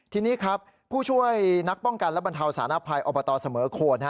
ทีนี้ครับผู้ช่วยนักป้องกันและบรรเทาสารภัยอบตเสมอโคน